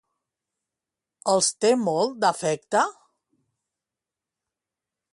Els té molt d'afecte?